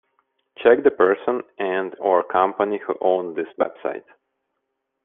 Check the person and/or company who owns this website.